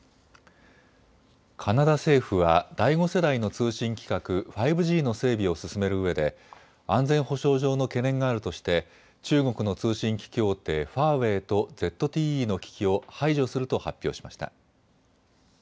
カナダ政府は第５世代の通信規格５Ｇの整備を進めるうえで安全保障上の懸念があるとして中国の通信機器大手ファーウェイとＺＴＥの機器を排除すると発表しました。